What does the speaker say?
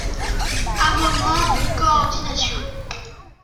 Amendement de coordination.